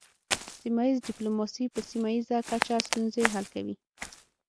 سیمه ایز ډیپلوماسي په سیمه ایزه کچه ستونزې حل کوي